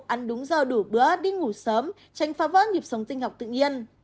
ăn đúng giờ đủ bữa đi ngủ sớm tránh phá vỡ nhịp sống sinh học tự nhiên